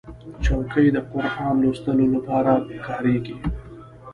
چوکۍ د قرآن لوستلو لپاره کارېږي.